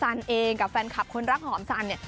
ซันเองกับแฟนคลับคนรักหอมซัน